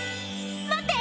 待って！